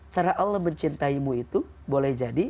cara allah mencintaimu itu boleh jadi